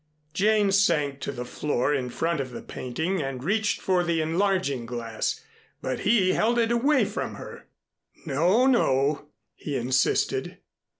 Jane sank to the floor in front of the painting and reached for the enlarging glass. But he held it away from her. "No, no," he insisted.